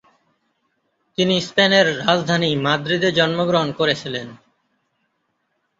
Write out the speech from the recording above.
তিনি স্পেনের রাজধানী মাদ্রিদে জন্মগ্রহণ করেছিলেন।